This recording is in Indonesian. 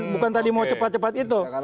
bukan tadi mau cepat cepat itu